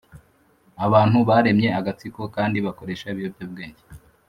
Abantu baremye agatsiko kandi bakoresha ibiyobyabwenge